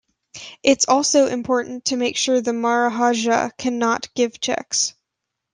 It's also important to make sure the Maharajah cannot give checks.